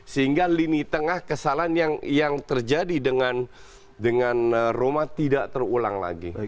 sehingga lini tengah kesalahan yang terjadi dengan roma tidak terulang lagi